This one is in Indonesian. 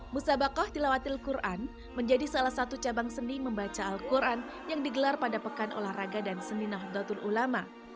musabakah tilawatil quran menjadi salah satu cabang seni membaca al quran yang digelar pada pekan olahraga dan seni nahdlatul ulama